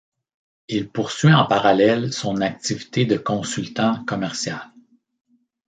Il poursuit en parallèle son activité de consultant commercial.